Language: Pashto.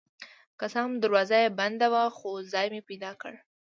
که څه هم دروازه یې بنده وه خو ځای مې پیدا کړ.